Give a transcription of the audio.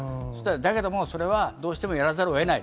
だけども、それはどうしてもやらざるをえない。